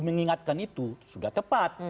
mengingatkan itu sudah tepat